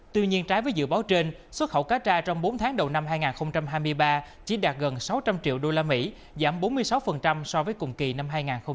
tuy nhiên trái với dự báo trên xuất khẩu cá tra trong bốn tháng đầu năm hai nghìn hai mươi ba chỉ đạt gần sáu trăm linh triệu usd giảm bốn mươi sáu so với cùng kỳ năm hai nghìn hai mươi hai